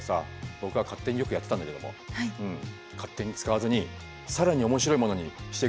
僕は勝手によくやってたんだけども勝手に使わずに更に面白いものにしていこうと決めたよ。